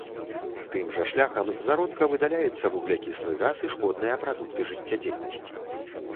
Тым жа шляхам з зародка выдаляецца вуглякіслы газ і шкодныя прадукты жыццядзейнасці.